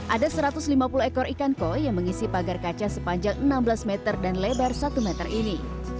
ada satu ratus lima puluh ekor ikan koi yang mengisi pagar kaca sepanjang enam belas meter dan lebar satu meter ini